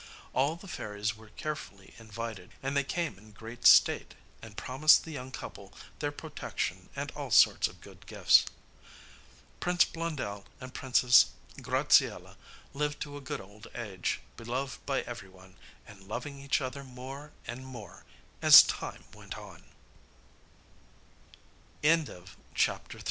All the fairies were carefully invited, and they came in great state, and promised the young couple their protection and all sorts of good gifts. Prince Blondel and Princess Graziella lived to a good old age, beloved by every one, and loving each other more and more as time